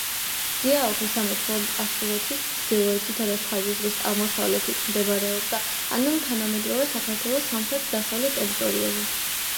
დიაოხის სამეფო ასურეთის ჩრდილოეთითა და შავი ზღვის აღმოსავლეთით მდებარეობდა, ანუ თანამედროვე საქართველოს სამხრეთ-დასავლეთ ტერიტორიაზე.